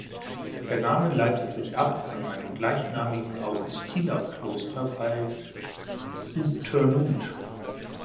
Der Name leitet sich ab von einem gleichnamigen Augustinerkloster bei Oud-Turnhout.